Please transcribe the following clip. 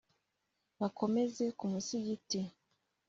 bakomeze ku musigiti